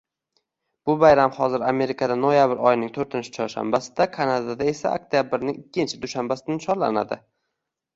Bu bayram hozir Amerikada noyabr oyining toʻrtinchi chorshanbasida, Kanadada esa oktyabrning ikkinchi dushanbasida nishonlanadi